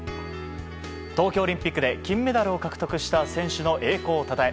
東京オリンピックで金メダルを獲得した選手の栄光をたたえ